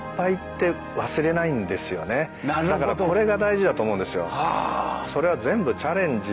だからこれが大事だと思うんですよ。